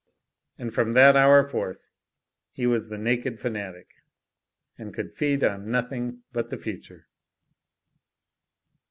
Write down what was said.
And from that hour forth he was the naked fanatic; and could feed on nothing but the future.